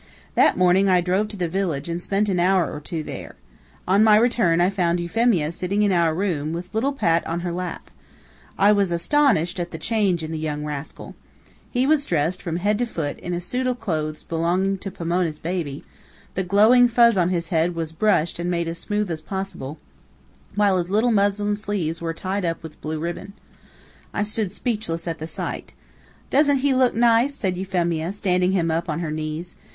That morning I drove to the village and spent an hour or two there. On my return I found Euphemia sitting in our room, with little Pat on her lap. I was astonished at the change in the young rascal. He was dressed, from head to foot, in a suit of clothes belonging to Pomona's baby; the glowing fuzz on his head was brushed and made as smooth as possible, while his little muslin sleeves were tied up with blue ribbon. I stood speechless at the sight. "Don't he look nice?" said Euphemia, standing him up on her knees.